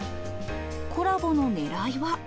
コラボのねらいは。